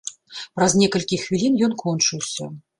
Праз некалькі хвілін ён кончыўся.